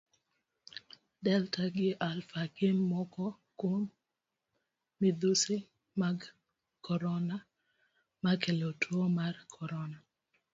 Delta gi Alpha gim moko kum midhusi mag korona makelo tuo mar korona.